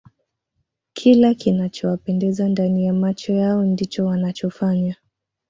kila kinachowapendeza ndani ya macho yao ndicho wanachofanya